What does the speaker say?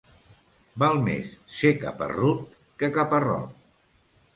Val més ser caparrut que caparrot.